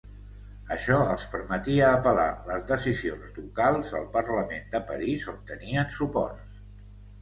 Això els permetia apel·lar les decisions ducals al Parlament de Paris on tenien suports.